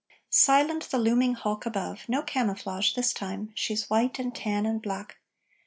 Silent the looming hulk above No camouflage this time She's white and tan and black!